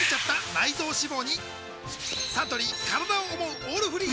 サントリー「からだを想うオールフリー」